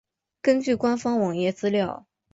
根据官方网页资料。